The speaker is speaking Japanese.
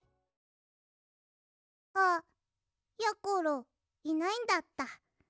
あやころいないんだった。